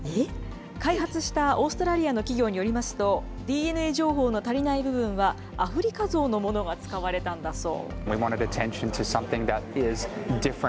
開発したオーストラリアの企業によりますと、ＤＮＡ情報の足りない部分は、アフリカゾウのものが使われたんだそう。